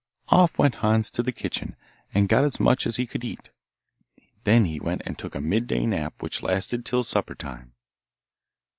Off went Hans to the kitchen, and got as much as he could eat; then he went and took a midday nap which lasted till supper time.